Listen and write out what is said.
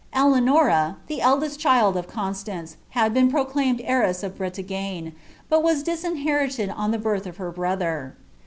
Eleaiiora. the cldfsi child of Consiaiic«, had faai proclaimed heiress of Brelagne, but was disinherited on the birthaf Imt brother.